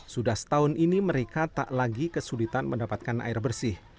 sudah setahun ini mereka tak lagi kesulitan mendapatkan air bersih